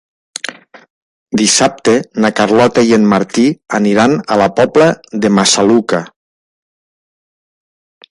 Dissabte na Carlota i en Martí aniran a la Pobla de Massaluca.